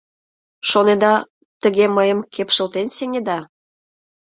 Шонеда, тыге мыйым кепшылтен сеҥеда?